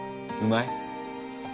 うまい？